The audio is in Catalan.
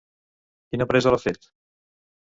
Quina empresa l'ha fet?